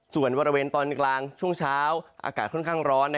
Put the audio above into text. ส่วนบริเวณตอนกลางช่วงเช้าอากาศค่อนข้างร้อน